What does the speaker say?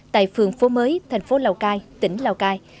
tại phường phố mới thành phố lào cai tỉnh lào cai